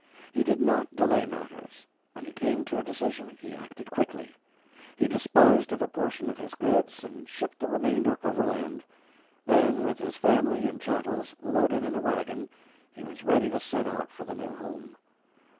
He did not delay matters. When he came to a decision, he acted quickly. He disposed of a portion of his goods and shipped the remainder overland; then, with his family and chattels loaded in a wagon, he was ready to set out for the new home.